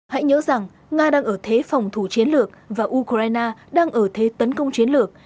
hãy nhớ rằng nga đang ở thế phòng thủ chiến lược và ukraine đang ở thế tấn công chiến lược